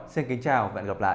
xin kính chào và hẹn gặp lại